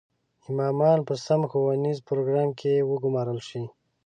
امامان په سم ښوونیز پروګرام کې وګومارل شي.